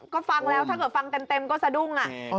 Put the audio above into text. ก็ฟังแล้วถ้าเกิดฟังเต็มก็สะดุ้ง